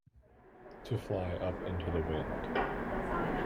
To fly up into the wind.